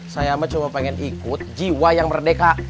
saya cuma pengen ikut jiwa yang merdeka